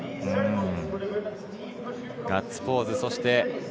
ガッツポーズそして